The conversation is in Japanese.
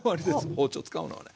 包丁使うのはね。